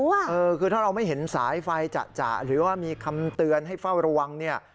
คือถ้าเราไม่เห็นสายไฟจะหรือว่ามีคำเตือนให้เฝ้าระวังเนี่ย